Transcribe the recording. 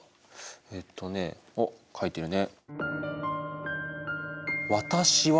えっとねあっ書いてるね。